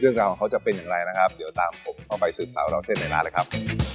การของเขาจะเป็นอย่างไรนะครับเดี๋ยวตามผมเข้าไปสืบสาวเล่าเส้นในร้านเลยครับ